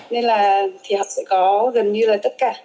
nên là thì học sẽ có gần như là tất cả